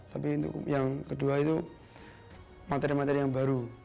tapi untuk yang kedua itu materi materi yang baru